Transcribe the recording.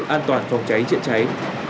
an toàn phòng cháy triện cháy